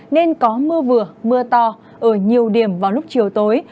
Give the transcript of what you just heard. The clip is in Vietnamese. nên có mưa vừa mưa to ở nhiều điểm vào lúc chiều tối